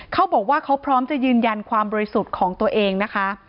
เขาบอกว่าเขาพร้อมจะยืนยันความบริสุทธิ์ของตัวเองนะคะ